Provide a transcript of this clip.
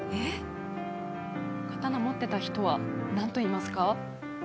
刀を持っていた人は何といいますか？